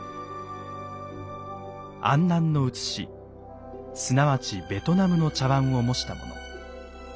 安南の写しすなわちベトナムの茶碗を模したもの。